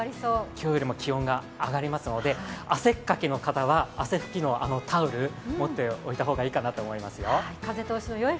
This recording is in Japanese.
今日よりも気温が上がりますので汗っかきの方は汗ふきのタオル、持っておいた方がいいかと思いますよ。